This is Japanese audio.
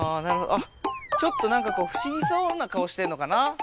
あっちょっとなんかふしぎそうな顔してんのかな。